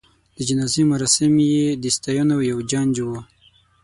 د جنازې مراسم یې د ستاینو یو جنج و.